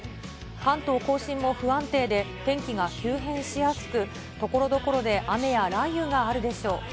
関東甲信も不安定で、天気が急変しやすく、ところどころで雨や雷雨があるでしょう。